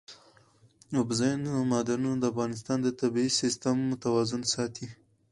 اوبزین معدنونه د افغانستان د طبعي سیسټم توازن ساتي.